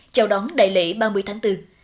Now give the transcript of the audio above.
chào đón đại lễ ba mươi tháng bốn